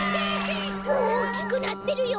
おおきくなってるよ！